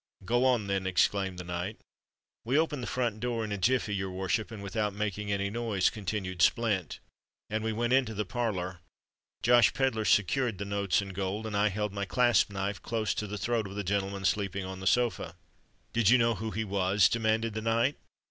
"Go on, then," exclaimed the knight. "We opened the front door in a jiffey, your worship, and without making any noise," continued Splint; "and we went into the parlour. Josh Pedler secured the notes and gold; and I held my clasp knife close to the throat of the gentleman sleeping on the sofa." "Did you know who he was?" demanded the knight.